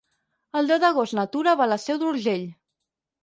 El deu d'agost na Tura va a la Seu d'Urgell.